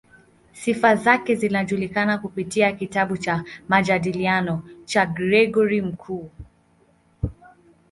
Sifa zake zinajulikana kupitia kitabu cha "Majadiliano" cha Gregori Mkuu.